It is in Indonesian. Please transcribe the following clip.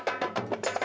nah yang ini nih